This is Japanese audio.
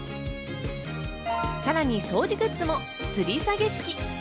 さらに掃除グッズも吊り下げ式。